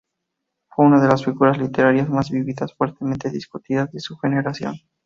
Fue una de las figuras literarias más vívidas y fuertemente discutidas de su generación.